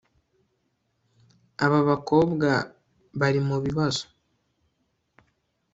Aba bakobwa bari mubibazo